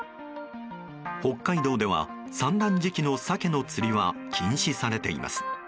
北海道では産卵時期のサケの釣りは禁止されています。